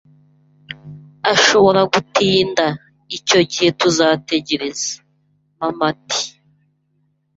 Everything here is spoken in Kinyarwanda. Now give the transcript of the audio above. Ashobora gutinda, icyo gihe tuzategereza. (mamat)